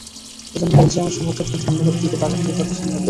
এ জন্য বেলজিয়ামের সমর্থকদের ধন্যবাদ দিতে পারেন লুকাকু সিনিয়রকে।